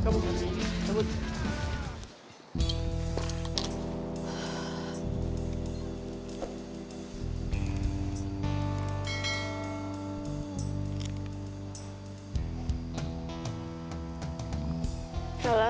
terima kasih banyak ya pak